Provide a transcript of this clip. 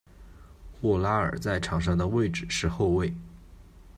沃拉尔在场上的位置是后卫。